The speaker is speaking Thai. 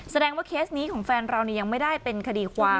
แสดงว่าเคสนี้ของแฟนเรายังไม่ได้เป็นคดีความ